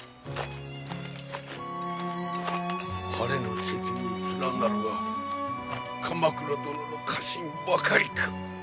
晴れの席に連なるは鎌倉殿の家臣ばかりか！